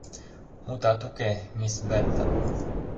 — Мутат уке, мисс Бентон.